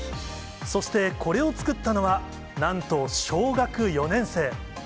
そして、これを作ったのは、なんと小学４年生。